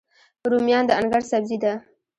رومیان د انګړ سبزي ده